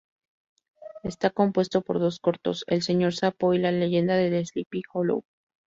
Está compuesto por dos cortos, "El Señor Sapo" y "La leyenda de Sleepy Hollow".